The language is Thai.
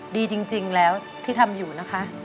ดีจริงแล้วที่ทำอยู่นะคะ